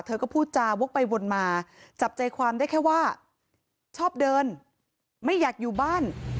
เธอก็พูดจาวกไปวนมาจับใจความได้แค่ว่าชอบเดินไม่อยากอยู่บ้าน